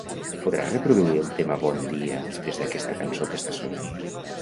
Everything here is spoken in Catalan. Podràs reproduir el tema "Bon dia" després d'aquesta cançó que està sonant?